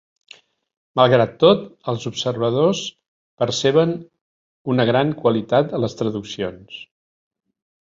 Malgrat tot, els observadors perceben una gran qualitat a les traduccions.